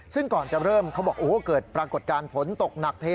ซึ่งก่อนจะเริ่มเขาบอกโอ้โหเกิดปรากฏการณ์ฝนตกหนักเท